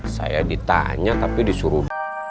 saya ditanya tapi disuruh